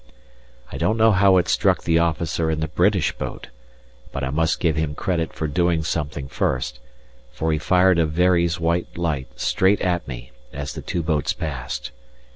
I don't know how it struck the officer in the British boat, but I must give him credit for doing something first, for he fired a Very's white light straight at me as the two boats passed.